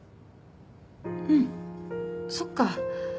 うんそっか。